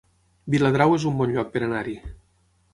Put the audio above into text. Viladrau es un bon lloc per anar-hi